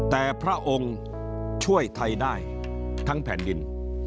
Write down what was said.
แต่พระองค์ช่วยไทยได้ทั้งแผ่นดิน